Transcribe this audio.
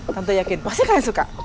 tentu yakin pasti kalian suka